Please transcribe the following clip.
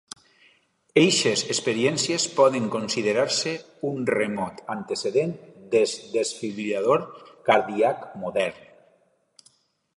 Eixes experiències poden considerar-se un remot antecedent del desfibril·lador cardíac modern.